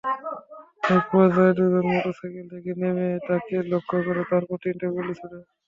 একপর্যায়ে দুজন মোটরসাইকেল থেকে নেমে তাঁকে লক্ষ্য করে পরপর তিনটি গুলি ছোড়ে।